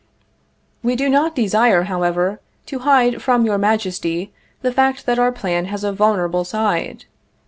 We do not desire, however, to hide from your Majesty the fact that our plan has a vulnerable side.